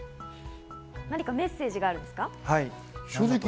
何かメッセージがあるんですか？